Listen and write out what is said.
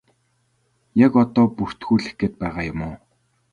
Яг одоо бүртгүүлэх гээд байгаа юм уу?